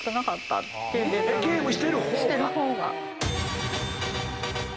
ゲームしてる方が！